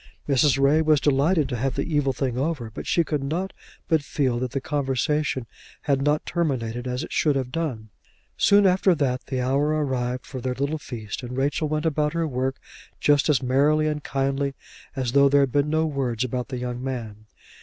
Mrs. Ray was delighted to have the evil thing over, but she could not but feel that the conversation had not terminated as it should have done. Soon after that the hour arrived for their little feast, and Rachel went about her work just as merrily and kindly as though there had been no words about the young man.